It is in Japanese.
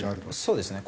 そうですね。